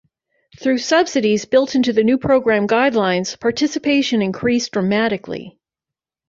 Through subsidies built into the new program guidelines, participation increased dramatically.